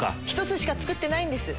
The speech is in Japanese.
１つしか作ってないんです。